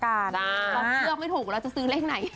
ได้ตอบเครื่องไม่ถูกเราจะซื้อเลขไหน